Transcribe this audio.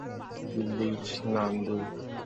Please, Nandu!